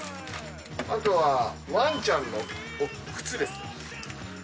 あとはワンちゃんの靴ですね。